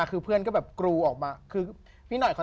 อยู่ข้างนอกแหละ